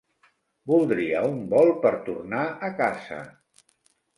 Voldria un vol per tornar a casa.